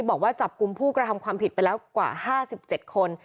บอกว่าจับกลุ่มผู้กระทำความผิดไปแล้วกว่า๕๗คน